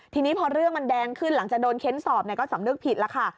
ทีนี้พอเรื่องมันแดงขึ้นหลังจากโดนเค้นสอบก็สำนึกผิดแล้วค่ะ